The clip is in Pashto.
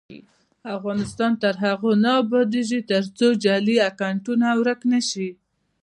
افغانستان تر هغو نه ابادیږي، ترڅو جعلي اکونټونه ورک نشي.